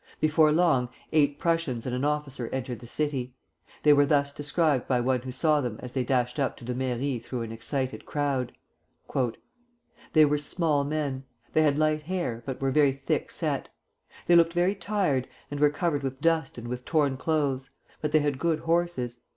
Before long, eight Prussians and an officer entered the city. They were thus described by one who saw them as they dashed up to the mairie through an excited crowd: "They were small men. They had light hair, but were very thick set. They looked very tired, and were covered with dust and with torn clothes: but they had good horses.